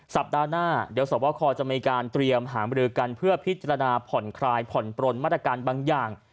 สัปดาห์หน้าเดี๋ยวสวบคอจะมีการเตรียมหามรือกันเพื่อพิจารณาผ่อนคลายผ่อนปลนมาตรการบางอย่าง